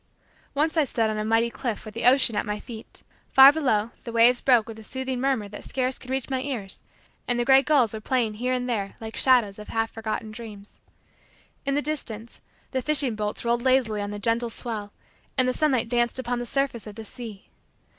Once I stood on a mighty cliff with the ocean at my feet. Ear below, the waves broke with a soothing murmur that scarce could reach my ears and the gray gulls were playing here and there like shadows of half forgotten dreams. In the distance, the fishing boats rolled lazily on the gentle swell and the sunlight danced upon the surface of the sea.